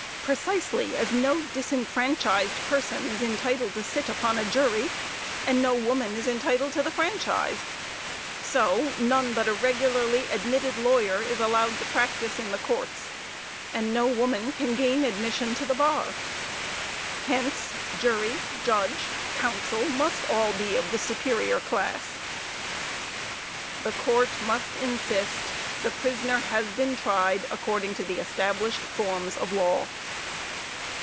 Precisely as no disfranchised person is entitled to sit upon a jury, and no woman is entitled to the franchise, so, none but a regularly admitted lawyer is allowed to practice in the courts, and no woman can gain admission to the bar hence, jury, judge, counsel, must all be of the superior class. JUDGE HUNT The Court must insist the prisoner has been tried according to the established forms of law.